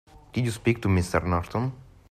Did you speak to Mr. Norton?